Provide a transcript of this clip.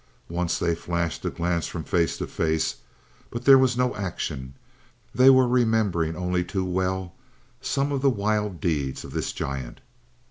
Once they flashed a glance from face to face; but there was no action. They were remembering only too well some of the wild deeds of this giant.